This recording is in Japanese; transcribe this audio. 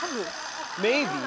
メイビー？